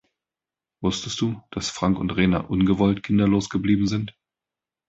Wusstest du, dass Frank und Rena ungewollt kinderlos geblieben sind?